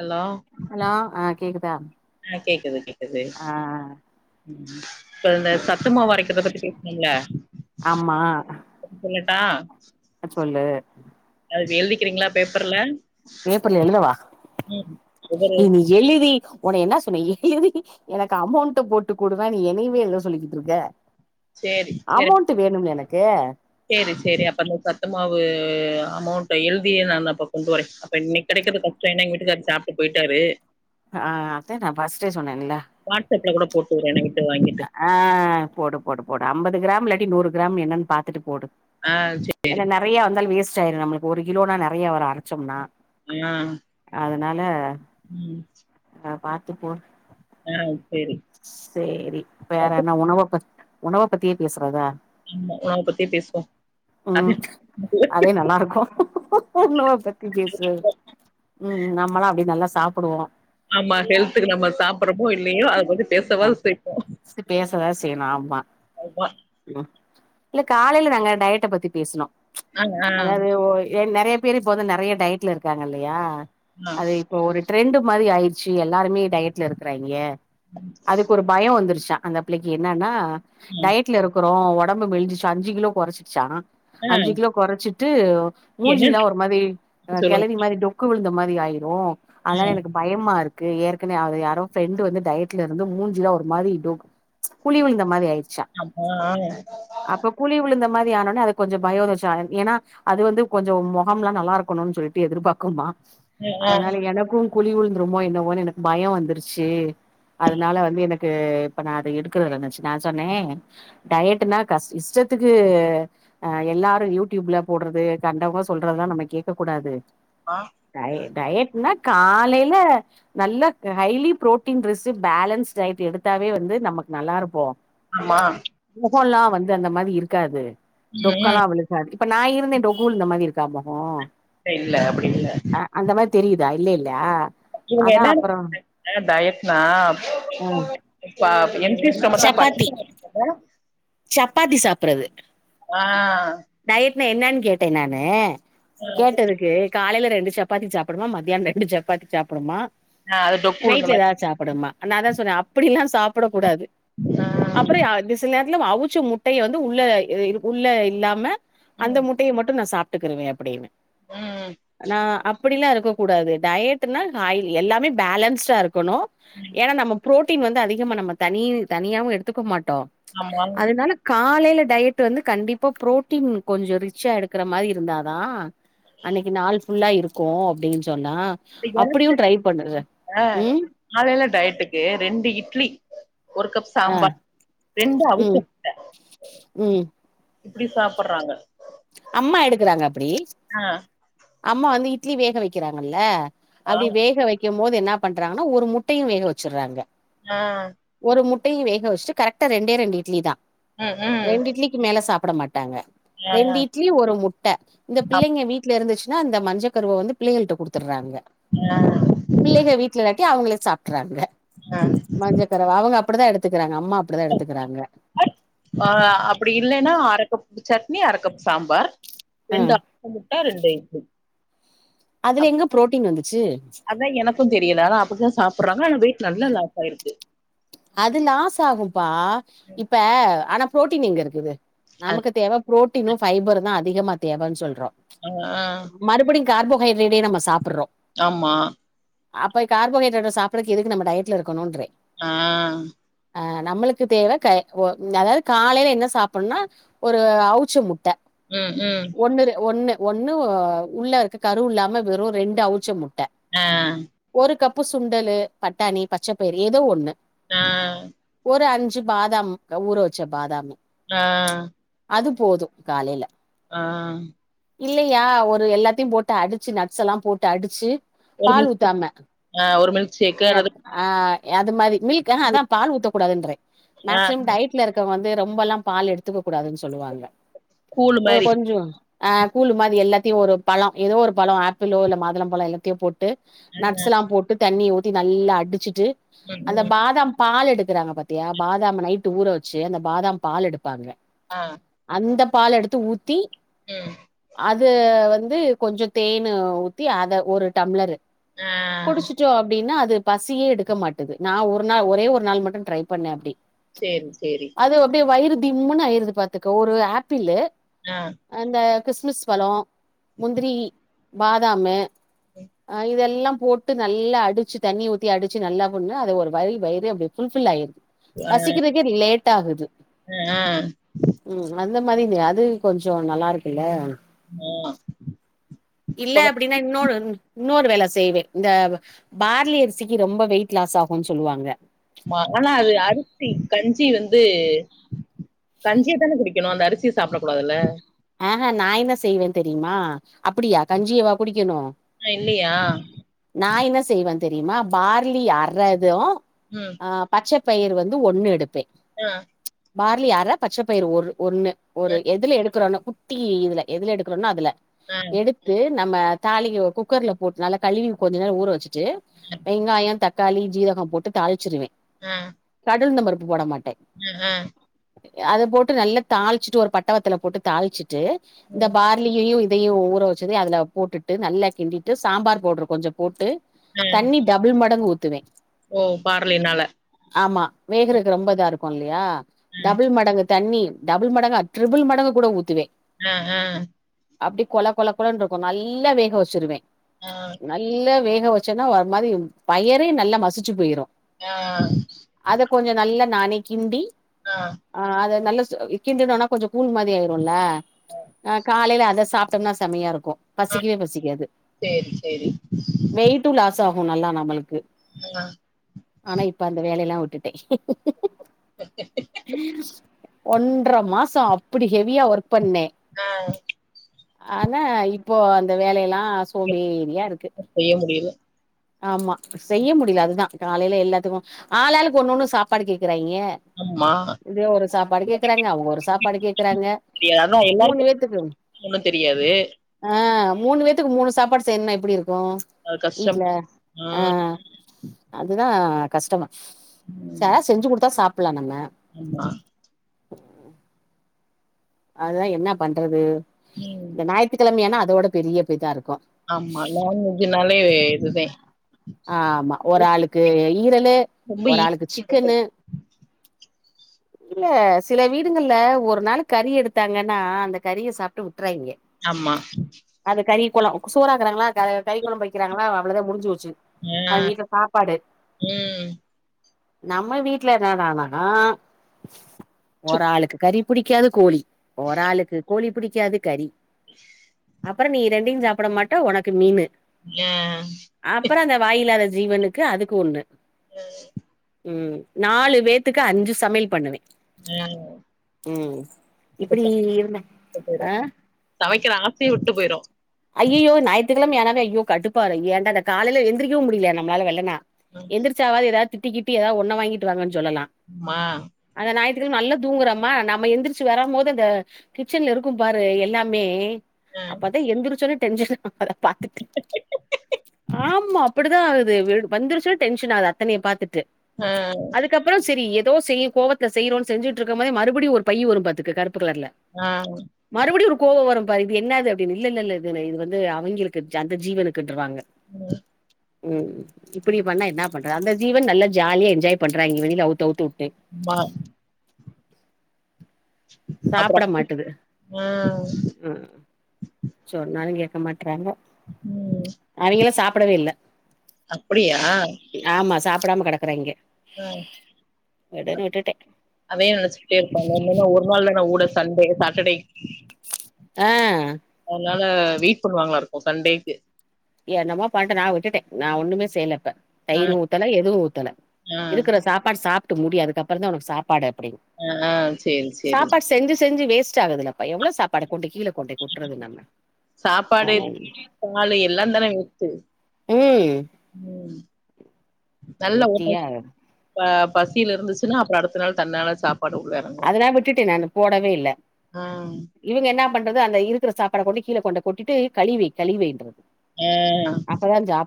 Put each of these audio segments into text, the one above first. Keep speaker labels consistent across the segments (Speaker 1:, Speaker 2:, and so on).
Speaker 1: Hello
Speaker 2: hello ஆ கேக்குதா
Speaker 1: ஆ கேக்குது தோழி
Speaker 2: ஆ
Speaker 1: ம் இப்ப இந்த சத் தும்மாவு அரைக்கிறத பத்தி பேசினீங்ளா [unintelligible] தா
Speaker 2: அ சொல்லு
Speaker 1: அது எழுதிக்கிறீங்ளா பேப்பர்ல
Speaker 2: பேப்பர்ல எழுதவா
Speaker 1: ம் ஒவ்வொரு
Speaker 2: ஏ நீ எழுதி ஒன என்னா சொன்னே எழுதி எனக்கு அமௌண்ட்ட போட்டு குடுறா நீ என்னிவே எழுத சொல்லிக்கிட்டு இருக்க
Speaker 1: சேரி சேரி
Speaker 2: அமௌண்ட் வேணுமில்ல எனக் கே
Speaker 1: சேரி சேரி அப்ப நீ சத்துமாவு அமௌண்ட்டு எழுதியே நானு அப்ப கொண்டு வரே அப்ப இன்னைக்கு கெடைக்கறது கஷ்டோ ஏனா எங்க வீட்டுக்காரர் சாப்ட்டு போயிட்டாரு
Speaker 2: ஆ அதே நா பஸ்ட்டே சொன்னேன்ல்ல
Speaker 1: வாட்ஸ்அப்ல கூட போட்டு விடுறேன் நைட்டு வாங்கிட்டு
Speaker 2: ஆ போடு போடு போடு அம்பது கிராம் இல் லாட்டி நூறு கிராம் என்னன் பாத்துட்டு போடு
Speaker 1: ஆ சேரி
Speaker 2: ஏனா நெறையா வந்தாலு வேஸ் டாயிரு நம்மளுக்கு ஒரு கிலோனா நெறையா வரு அரச்சம்னா
Speaker 1: ஆ
Speaker 2: அதனால
Speaker 1: ம்
Speaker 2: நா பாத்து போட்ற
Speaker 1: ஆ சேரி
Speaker 2: சேரி வேற என்ன உணவ பத் உணவ பத்தியே பேசுறதா
Speaker 1: ஆமா உணவ பத்தியே பேசுவோம் அது
Speaker 2: ம் அதே நல்லாருக்கு உணவு பத்தி பேசுற ம் நம்மல்லா அப்டி நல்லா சாப்பிடுவோ
Speaker 1: ஆமா ஹெல்த்துக்கு நம்ம சாப்பறமோ இல்லையோ அத பத்தி
Speaker 2: அ
Speaker 1: பேசவாது செய்வோ
Speaker 2: ஸ்பேசதா செய்யணு ஆமா
Speaker 1: ஆமா
Speaker 2: ம் இல்ல காலைல நாங்க டயட்ட பத்தி பேசுனோ
Speaker 1: ஆ ஆ
Speaker 2: ஏ நெறைய பேரு இப்போ வந்து நெறைய டயட்ல இருக்காங்கல்லையா
Speaker 1: ஆ,
Speaker 2: அது இப்போ ஒரு ட்ரெண்டு் மாரி ஆயிடுச்சு எல்லாருமே டயட்ல இருக்கிறாய்ங்க அதுக்கு ஒரு பயம் வந்துருச்சு அந்த பிள்ளைக்கு என்னன்னா
Speaker 1: ம்
Speaker 2: ல இருக்கிறோ ஒடம்பு மெழுஞ்சுருச்சு அஞ்சு கிலோ கொறச்சிருச்சா
Speaker 1: ஆ.
Speaker 2: அஞ்சு கிலோ கொறச்சி ட்டு மூஞ்சிலா
Speaker 1: என்னன்னு
Speaker 2: ஒரு மாரி் அ
Speaker 1: சொல்லுங்க.
Speaker 2: கெளவி மாரி டொக்கு விழுந்த மாரி ஆயிரும் அனாலா
Speaker 1: ம்.
Speaker 2: எனக்கு பயமா இருக் கு ஏற்கன அத யாரோ ஃப்ரண்ட் வந்து டயட்ல இருந்து மூஞ்சிலா ஒரு மாரி டொக் குழி விழுந்த மாரி ஆயிடுச்சு
Speaker 1: ஆ ஆ
Speaker 2: விழுந்த மாரி ஆனோனே அது கொஞ்சம் பயோ வந்துடுச்சு ஏன்னா அது வந்து கொஞ்சம் மொகம்லா நல்லா இருக்கணுனு சொல்லிட்டு எதிர்பாக்குமா
Speaker 1: ம், ஆ.
Speaker 2: அதனால எனக்கும் குழி விழுந்துருமோ என்னவோன்னு எனக்கு பயம் வந்துருச்சு அதனால வந்து எனக்கு இப்ப நா அத எடுக்கறதுலனுச்சு நா சொன்னே டயட்னா கஷ் இஷ்டத்துக்கு அ எல்லாரு யூடியூப்ல போடுறது கண்டவங்க சொல்றதுலா நம்ம கேக்க கூடாது
Speaker 1: ஆ.
Speaker 2: ட டயட்னா காலைல நல்ல ஹைலி புரோட்டீன் ட்ரெஸ்ஸு பேலன்ஸ் டயட் எடுத்தாவே வந்து நமக்கு நல்லா இருப்போ
Speaker 1: ஆமா
Speaker 2: மொகோலா வந் து அந்த மாரி இருக்காது
Speaker 1: ம், ம்.
Speaker 2: டொக்கல்லா விழுகாது இப்ப நா இருந்தே டொக்கு விழுந்த மாரி இருக்கா மொகம்
Speaker 1: இல்ல அப்டி இல்ல
Speaker 2: [unintelligible]
Speaker 1: இவங்க
Speaker 2: அதா
Speaker 1: என்ன
Speaker 2: அப்புறோ
Speaker 1: [inaudible] டயட்னா
Speaker 2: அ
Speaker 1: பா எம்டீ ஸ்டமக்கா [inaudible]
Speaker 2: பாத்தி சாப்பறது
Speaker 1: ஆ
Speaker 2: என்ன என்னன் கேட்டே நானு கேட்டதுக்கு காலைல ரெண்டு சப்பாத்தி சாப்டுமா மத்தியானம் ரெண்டு சப்பாத்தி சாப்டுமா
Speaker 1: ஆ அது டொக்கு உழுந்த மாரி
Speaker 2: நா தா சொன்னே அப்டில்லா சாப்பட கூடாது அப்புறோ
Speaker 1: ம்,
Speaker 2: யா அது சில த்துல அவுச்ச முட்டைய வந்து உள்ள இ உள்ள இல்லாம அந்த
Speaker 1: ம்,
Speaker 2: முட்டைய மட்டூ நா சாப் ட்டுக்குறவே அப்புடின்னு
Speaker 1: ம்.
Speaker 2: நா அப் இப்புடிலா இருக்கக்கூடாது டயட்டுன்னா ஆயில் எல்லாமே பேலன்ஸ்டா இருக் க்கணு ஏன்னா நம்ம பு்ரோட்டீன் வந்து அதிகமா நம்ம தனி தனியாவு எடுத்துக்கு மாட் டோ
Speaker 1: ஆமா.
Speaker 2: அதுனால கா காலைல டயட் வந்து கண்டிப்பா ப்ரோட்டீன் கொஞ்சோ ரிச்சா எடுக்கற மாரி இருந்தாதா அன்னிக்கு நாள் ஃபுல்லா இருக்கூ அப்டின் சொ
Speaker 1: அ எனக்கு [unintelligible] ஆ
Speaker 2: ம்
Speaker 1: காலைல டயட்டுக்கு ரெண்டு இட்லி ஒரு கப்
Speaker 2: ஆ
Speaker 1: சாம்பார் ரெண்டு அவிச்ச
Speaker 2: ம்
Speaker 1: முட்ட
Speaker 2: ம்
Speaker 1: இப்டி சாப்ட்றாங்க
Speaker 2: அம்மா எடுக்குறாங்க அப்புடி
Speaker 1: ஆ
Speaker 2: அம்மா வந்து இ ட்லி வேக வெக்கிறாங்கல்ல
Speaker 1: ஆ
Speaker 2: அப்டி வேக வைக் வைக்கும் போது என்னா பண்றாங்கன்னா ஒரு முட்டையு வேக வச்சுட்றாங்க
Speaker 1: ஆ
Speaker 2: ட்டயு வேக வச்சுட்டு கரக்டா ரெண்டே ரெண்டு இட்லி தா
Speaker 1: ம் ம்
Speaker 2: ரெண்டு இட்லிக்கு மேல சாப் புடமாட் ட்டாங்க
Speaker 1: ஆ
Speaker 2: ரெண்டி இட் ஒரு முட்ட இந்த
Speaker 1: அப்
Speaker 2: பிள்ளைங்க வீட்ல் இருந்துச்சுன்னா அந்த மஞ்ச கருவ வந்து பிள்ளைகள்ட்ட குடுதுட்றாங்க
Speaker 1: ஆ
Speaker 2: பிள்ளைக வீட்ல இல்லாட்டி அவங்களே சாப்ட்றாங்க
Speaker 1: ஆ
Speaker 2: மஞ்சக்கருவ அவங்க ப்படிதா எடுத்துக்குறாங்க அம்மா அப்புடிதா எடுத்துக்குறாங்க
Speaker 1: பட் ஆ அப்புடி இல்லேன்னா அரக்கப்பு சட்னி அரக்கப் சாம்பார்
Speaker 2: ஆ
Speaker 1: ரெண்டு அ [unintelligible] முட்ட ரெண்டு இப்டி
Speaker 2: அதுல
Speaker 1: அப்
Speaker 2: எங்க புரோட்டீன் வந்துச்சு
Speaker 1: அதா எனக்கூ தெரியல ஆனா அப்புட் தா சாப் ப்ரகானா வெயிட் நல்ல லாஸ் ஆயிருக்கு
Speaker 2: அது லாஸ் ஆகும்பா இப்ப ஆனா புரோட்டீன் எங்க இருக்குது
Speaker 1: அது
Speaker 2: நமக்கு தேவ புரோட் புரோட்டீனு ஃபைபருந்தா அதிகமா தேவன்னு சொல்றோ
Speaker 1: அ ஆ
Speaker 2: கார்போஹைட்ரேட்டையே நம்ம சாப்புடுறோ
Speaker 1: ஆம்மா
Speaker 2: அப்போ கார்போஹைட்ரேட்ட சாப்புறதுக்கு எதுக்கு நம்ம டயட்ல இருக்கணுன்றே
Speaker 1: ஆ
Speaker 2: ஆ நம்மளுக்கு தேவ கை ஓ அதாவது காலைல என்ன சாப்புடணுன்னா ஒரு அவுச்ச முட்ட
Speaker 1: ம் ம்
Speaker 2: ஒண்ணுரு ஒன்னு ஒண்ணு உள்ள இருக்க கரு இல்லாம வெறும் ரெண்டு அவுச்ச முட்ட
Speaker 1: ஆ
Speaker 2: ஒரு கப்பு சுண்டலு பட்டாணி பச்சப்பயுறு ஏதோ ஒண்ணு
Speaker 1: ஆ
Speaker 2: ஒரு அஞ்சு பாதாம் ஊற வச்ச பாதாமு
Speaker 1: ஆ
Speaker 2: அது போது காலையில
Speaker 1: ஆ
Speaker 2: இல்லையா ஒரு எல்லாத்தையு போட்டு அடுச்சு நட்ஸ் எல்லா போட்டு அடுச்சு
Speaker 1: ஒரு ம ஆ ஒரு மில்க் ஷேக்கு அல்லது
Speaker 2: ய அது மாரி மில் கெ ஆ
Speaker 1: கூ
Speaker 2: அதா பால் ஊத்தக்கூடதுன்றே
Speaker 1: ஆ
Speaker 2: மேக்சிமம் டயட்ல இருக்கவுங்க வந் ந்து ரொம்பல்லா பால் எடுத்துக்க கூடாதுன்னு சொல்லுவாங்க
Speaker 1: கூழு
Speaker 2: ஒரு
Speaker 1: மாரி
Speaker 2: கொஞ்சோ ஆ கூழு மாரி எல்லாத்தையு ஒரு பழ ஏதோ ஒரு பழோ ஆப்பிளோ இல்ல மாதுளம் பழோ எல்லாத்தையு போட்டு
Speaker 1: ஆ
Speaker 2: ட்டு நட்ஸ் எல்லா போட்டு தண்ணி ஊத் நல்லா அடிச்சுட்டு
Speaker 1: ம்
Speaker 2: அந்த
Speaker 1: ம்
Speaker 2: பாதாம் பால் எடுக்குறாங்க பத்தியா பாதாம் நைட்டு் ஊர வச்சு அந்த பாதாம் பால் எடுப்பாங்க
Speaker 1: ஆ
Speaker 2: அந்தப் பால் எடுத்து ஊத்தி
Speaker 1: ம்
Speaker 2: அது வந்து கொஞ்சோ தேனு ஊத்தி அத ஒரு டம்ளரு
Speaker 1: ஆ
Speaker 2: குடிச்சுட்டோ அப்டின்னா அ து பசியே எடுக்க மாட்டேது நா ஒரு ஒரு நா ஒரே ஒரு நாள் மட்டு ட்ரை பண்ணே அப்டி
Speaker 1: சேரி சேரி
Speaker 2: அது அப்டியே வயிறு திம்முன்னு ஆயிறுது பாத்துக்கோ ஒரு ஆப்பிளு
Speaker 1: ஆ
Speaker 2: அந்த கிஸ்மிஸ் பழோ முந்திரி பாதாமு ஆ இதெல்லாம் போட்டு நல்லா அடிச்சு தண்ணி ஊத்தி அடிச்சு நல்லா பண்ணு அது ஒரு வாய் வயிரு அப்டியே ஃபுல்ஃபில் ஆயிருது
Speaker 1: ஆ
Speaker 2: பசிக்கிறதுக்கே லேட் ஆகுது
Speaker 1: ஆ ஆ
Speaker 2: ம் அது இந்த மாரி இல்லியே அது கொஞ்சோ நல்லா இருக்குல்ல இல்ல
Speaker 1: இப்ப
Speaker 2: அப்டின்னா இன்னொரு இன்னொரு வேல செய்வே இந்த பார்லி அரிசிக்கு ரொம்ப வெயிட் லாஸ் ஆகு ம் சொல்லுவாங்க
Speaker 1: மா ஆனா அது அரிசி கஞ்சி வந்து து கஞ்சிய தான குடிக்கணு அந்த அரிசிய சாப்டக் கூடாதுல்ல
Speaker 2: ஆஹ நா என்ன செய்வே தெரியுமா அப்டியா கஞ்சியவா குடிக்கணு
Speaker 1: ஆ இல்லியா
Speaker 2: நா என்ன செய்வ தெரியுமா பார்லி அற இதூ
Speaker 1: ம்
Speaker 2: அ பச்சேப் பயிர் வந்து ஒன்னு எடுப்பே
Speaker 1: ஆ
Speaker 2: பார்லி அர பச்ச பயிர் ஒரு ஒண்ணு
Speaker 1: ஆ
Speaker 2: ஒரு எதுல எடுக்குறனோ குட்டீ இதுல எதுல எடுக்குரன்னோ அதுல
Speaker 1: ஆ
Speaker 2: எடுத்து நம்ம தாலிக்கவோ குக்கர்ல போட்டு நல்லா கழவி கொஞ்சொ நேரோ ஊற வச்சிட் டு வெங்காயந் தக் காளி ஜீரகம் போட்டு தாளிச்சுருவே
Speaker 1: அ
Speaker 2: உள்ந்த பருப்பு போட மாட்
Speaker 1: ம் அ
Speaker 2: அத போட்டு நல்லா தாள்ச்சிட்டு ஒரு பட்டவத்தல போட்டு தாள்ச்சிட் டு இந்த
Speaker 1: ம்
Speaker 2: பார்லியையு இ தயு ஊற வச்சதயு அதுல போட்டுட்டு நல்லா கிண்டிட்டு சாம்பார் பவுட்ரு கொஞ்சொ போட்டு
Speaker 1: ஆ
Speaker 2: தண்ணி டபுள் மடங்கு ஊத் துவே
Speaker 1: ஓ பார்லினால
Speaker 2: ஆமா வேகறக்கு ரொம்ப இதாருக்குல்லியா
Speaker 1: ம்.
Speaker 2: டபுள் மடங்கு தண்ணி டபுள் மடங்கா ட்ரிபுள் மடங்கு கூட ஊத்துவே
Speaker 1: ஆஹ் ஆஹ்
Speaker 2: அப்டி கொல கொல கொலன்ருக்கு நல்லா வேக வச்சிருவே
Speaker 1: ஆ
Speaker 2: நல்லா வே வேகவெச்சனா ஒர் மாதிரி பயரே நல்லா மசிச்சி போயிரு
Speaker 1: ஆஹ்
Speaker 2: அத கொஞ்ச நல்லா நானே கிண்டி ஆஹ் அத நல்ல க்கிந்து தா ஆனா கொஞ்சொ கூல் மாரி ஆயிருச்சு கோல்லெ ஆஹ் காலைலெ அத சாப்டம்னா செம்மையாருக்கு
Speaker 1: ஆ
Speaker 2: பசிக்கிவே பசிக்காது
Speaker 1: சேரி சேரி
Speaker 2: வெயிட்டுலாஸாவாது மூனு நாளா நமலுக்
Speaker 1: ஆ
Speaker 2: ஆனா இப்பெ அந்த வேலையெல்லா விட் டுடெ [unintelligible] [unintelligible] ஒன்றர மாசம் அப்டி ஹெவியா ஒர்க் பண்ணே
Speaker 1: ஆ
Speaker 2: ஆனா இப்போ அந்த வேலயெல்லா ஆஹ் சோம்பேரியா இருக்கு
Speaker 1: என்ன செய்ய முடியல
Speaker 2: ஆமா செய்ய முடில அது தா காலைல எல்லாத்துக்கும் ஆளாளுக்கு ஒன்னொன்னு சாப்பாடு கேக்குறாய ய
Speaker 1: ஆமா
Speaker 2: இவ ஒரு சாப்பாடு கேக்குறாங்க அவங்க ஒரு சாப்பாடு கே
Speaker 1: அதா எல்லாருக்கும் ஒன்னு தெரியாது
Speaker 2: ஆ மூணு பேத்துக்கு மூணு சாப்பாடு செய்யணும்னா எப்டி இருக்கு கும்
Speaker 1: அது கஷ்டம்
Speaker 2: வீட்டுல
Speaker 1: ஆ
Speaker 2: ஆஹ் அது தா கஷ்டமா ச
Speaker 1: ம்
Speaker 2: செஞ்சு குடுத்தா சாப் பலாம் நம்ம
Speaker 1: ஆமா
Speaker 2: உஹம் [inaudible] அது தான் என்ன பண்றது
Speaker 1: ம்
Speaker 2: இந்த ஞாயித்து கெழமையானா அதோட பெரிய பை தா இருக் கு
Speaker 1: ஆமா நான்வெஜ்ஜுனாலே இதுதே
Speaker 2: ஆ ஆமா ஒரு ஆளுக்கு ஈரலு
Speaker 1: ரொம்ப
Speaker 2: ஒரு
Speaker 1: ஈ
Speaker 2: ஆளுக்கு சிக்கனு இல்ல சில வீடுங்கள்ல ஒரு நாள கறி எடுத்தாங்கன்னா அந்த கறிய சாப்ட்டு விட்றாய்ங்க
Speaker 1: ஆமா
Speaker 2: அது கறி கொழம் சோறாக்குராங்களா ஆ கறி கொழம்பு வைக்கிறாங்களா அவ்ளதா முடிஞ்சு போச் சு
Speaker 1: ஆ
Speaker 2: அவெங்க வீட்ல சாப்பாடு
Speaker 1: ம்
Speaker 2: நம்ம வீட்ல என்னடானாகா ஒரு
Speaker 1: சுக்
Speaker 2: ஆளுக்கு கறி கேன கோழி ஒராளுக்கு கோழி பிடிக் கேது கறி அப்பறம் நீ ரெண்டயு சாப் ப்பட மாட்ட உனக்கு மீனு
Speaker 1: ஆ
Speaker 2: அப்புறோ அந்த வாயில்லாத ஜீவனுக்கு அதுக்கு ஒண்ணு
Speaker 1: அ
Speaker 2: ம் நாலு பேத்துக்கு அஞ்சு சமையல் பண்ணுவே
Speaker 1: ஆ
Speaker 2: ம்
Speaker 1: அது
Speaker 2: இப்படி
Speaker 1: சாப்ட்டு
Speaker 2: இருங்க ஆ
Speaker 1: சயு விட்டு போயிரு
Speaker 2: அய்யையோ ஞாயித்துகெழம ஆனாவே ஐயோ கடுப்பாரு ஏண்டா இந்த காலைல எந்திரக்கவு முடியல நம்மளால வெள்ளனா
Speaker 1: ம்
Speaker 2: எந்திரிச்சாவது எதா திட்டிக்கிட்டு எதாவது ஒன்ன வாங்கிட்டு வாங்கன்னு சொல்லலா
Speaker 1: ஆமா
Speaker 2: அத ஞாயி நல்லா தூங்குறமா நம்ம எந்திரிச்சு வரோம் போது அந்த கிச்சன்ல இருக்கும் பாரு எல்லாமே
Speaker 1: ஆ
Speaker 2: அப்பதா எந்திரு ச்சோனே டென்ஷனு அத பாத்துட்டு ஆமா அப்படித் என்ன ஆகுது விட் வந்துருச்சு டென்ஷன் ஆகுது அத்தனைய பாத்துட் டு
Speaker 1: ஆ
Speaker 2: அதுக்கப்பறோ சரி எப் எதோ செய்யு கோவத்துல செய்ரோ செஞ்சிட்ருக்கும் போதே மறுபடியு ஒரு பை வரும் பாத்துக்க கரு ப்பு கலர்ல
Speaker 1: ஆ
Speaker 2: மறுபடியு ஒரு கோவ வரும் பாரு இது என்னாது அப்டின்னு இல்லல்லல்ல இல்லல்ல இது வந்து அவைங்களுக்கு அந்த ஜீவனுக்குன்ட்றுவாங்க
Speaker 1: ம்
Speaker 2: ம் இப்டி பண்ணா என்ன பண்றோ அந்த ஜீவன் நல்ல ஜாலியா என்ஜாய் பண்றா நீ வெளிலே அவுத்து அவுத்து வு
Speaker 1: ம்மா அப்றோ
Speaker 2: சாப்புட மாட்டுது
Speaker 1: ஆ
Speaker 2: ம் சோ நாங்கே [unintelligible] றாங்க
Speaker 1: ம்
Speaker 2: அவைங்களே சாப்டவே இல்ல
Speaker 1: அப்டியா
Speaker 2: புடாம கெடக்குறாய்ங்க
Speaker 1: ம்
Speaker 2: விடுன்னு விட்டுட்டே
Speaker 1: அதே நெனச்சுக்டே இருப்பாங்க இன்னொன்னு ஒரு நாள் தானே வுடு சண்டே சாட்டர்டே
Speaker 2: ஆ
Speaker 1: வேல வெயிட் பண்ணுவாங்களா இருக்கு சண்டேக்கு
Speaker 2: என்னமோ பன்ட்டு நா வுட்டுட்டே நா ஒண்ணுமே செய்ல த
Speaker 1: ஆ
Speaker 2: தயிர் ஊத்தல எதுவு ஊத்தல
Speaker 1: ஆ
Speaker 2: இருக்குற சாப்பாடு சாப் ட்டு முடி அதுக்கு அப்பறோதா உனக்கு சாப் பாடு அப்டின்
Speaker 1: ஆ ஆ சேரி சேரி
Speaker 2: சாப்பாடு செஞ்சு செஞ்சு வே ஸ்ட் ஆகுதுல்லப்பா எவ்ளோ சாப் பாட கொண்டு கீழே கொண்டை கொட்றது நம்ம ஆ
Speaker 1: தனை ஊத்து ம் ம் நல்ல ஊட்ட
Speaker 2: வெட்டியா
Speaker 1: ஆப் பசில இருந்துச்சுன்னா அப்புறோ அடுத்த நாள் தன்னால சாப்
Speaker 2: அதுல்லா விட்டுட்டே நானு போடவே இல்ல
Speaker 1: ஆ
Speaker 2: இவுங்க என்னா பண்றது அந்த இருக்குற சாப்பாட கொண்டு கீழ கொண்டு கொட்டிட்டு கழிவை கழிவைன்றது
Speaker 1: ஆ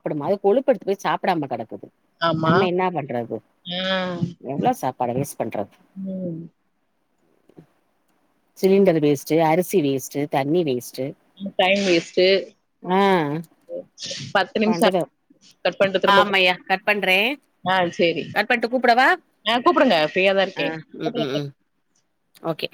Speaker 2: ப்படும் அது கொழுப்பெடுத்து போய் சாப்பிடாம கெடக்குது
Speaker 1: ஆமா
Speaker 2: நம்ம என்னா பண்றது
Speaker 1: ஆ
Speaker 2: எவ்ளோ சாப்பாட வேஸ்ட் பண்றது
Speaker 1: ம்
Speaker 2: சிலிண்டர் வேஸ்ட்டு அரிசி வேஸ்ட்டு தண்ணி வேஸ்
Speaker 1: ம் டைம் வேஸ்டு
Speaker 2: ஆ
Speaker 1: பத்து நிமிஷோ
Speaker 2: பண்றது
Speaker 1: கட் பண்டு திருமாப கூ
Speaker 2: ஆமாய்யா கட் பண்றே
Speaker 1: ஆ சேரி
Speaker 2: கட் பண்ட்டு கூப்பிடவா
Speaker 1: ஆ கூப்புடுங்க ஃப்ரீயா தா
Speaker 2: ஆ
Speaker 1: இருக்கே
Speaker 2: ம் ம் ஓகே